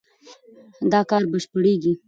دا کار بشپړېږي.